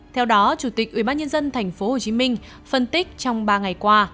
theo đó chủ tịch ubnd tp hcm phân tích trong ba ngày qua